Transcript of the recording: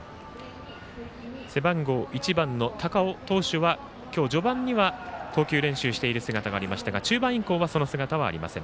背番号１の高尾投手は序盤には投球練習をしている姿がありましたが中盤以降は、その姿はありません。